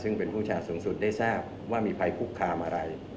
ซึ่งเป็นผู้ชาสูงสุดได้ทราบว่ามีภัยคุกคามอะไร